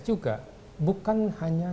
juga bukan hanya